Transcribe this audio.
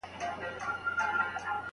زوی پلار ته کيسه کړې وه.